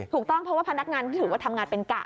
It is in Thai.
ถูกต้องเพราะว่าพนักงานถือว่าทำงานเป็นกะ